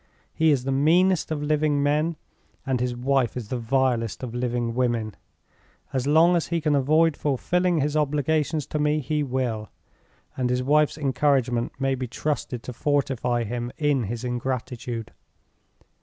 He is the meanest of living men, and his wife is the vilest of living women. As long as he can avoid fulfilling his obligations to me, he will; and his wife's encouragement may be trusted to fortify him in his ingratitude.